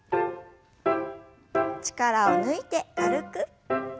力を抜いて軽く。